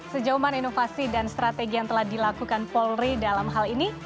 sejauh mana inovasi dan strategi yang telah dilakukan polri dalam hal ini